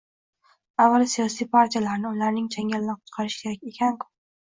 Avval siyosiy partiyalarni ularning changalidan qutqarish kerak ekanku.